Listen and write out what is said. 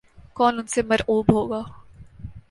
کون ان سے مرعوب ہوگا۔